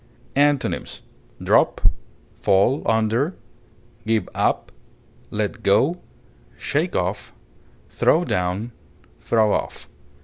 Antonyms: drop, fall under, give up, let go, shake off, throw down, throw off.